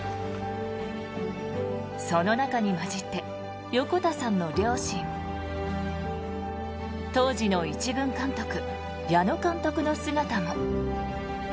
その中に交じって横田さんの両親当時の１軍監督矢野監督の姿も。